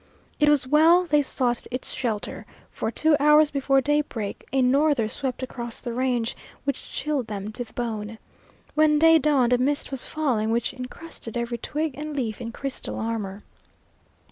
It was well they sought its shelter, for two hours before daybreak a norther swept across the range, which chilled them to the bone. When day dawned a mist was falling which incrusted every twig and leaf in crystal armor.